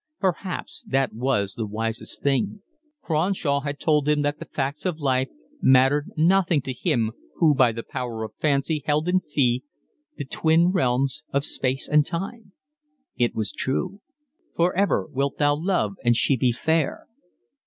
Perhaps that was the wisest thing. Cronshaw had told him that the facts of life mattered nothing to him who by the power of fancy held in fee the twin realms of space and time. It was true. Forever wilt thou love and she be fair!